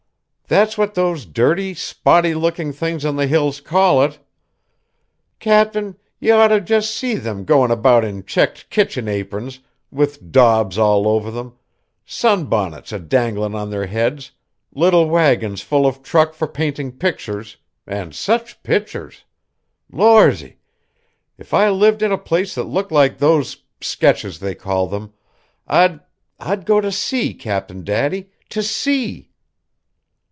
That's what those dirty, spotty looking things on the Hills call it. Cap'n, you just ought to see them going about in checked kitchen aprons, with daubs all over them sunbonnets adangling on their heads, little wagons full of truck for painting pictures and such pictures! Lorzy! if I lived in a place that looked like those sketches, they call them I'd I'd go to sea, Cap'n Daddy to sea!"